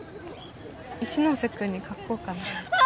一ノ瀬君に書こうかなあ！